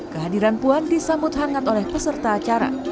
kehadiran puan disambut hangat oleh peserta acara